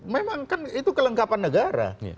memang kan itu kelengkapan negara